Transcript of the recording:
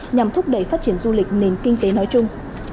nhằm thúc đẩy phát triển du lịch nền kinh tế nói chung